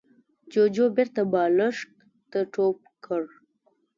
جوجو بېرته بالښت ته ټوپ کړ.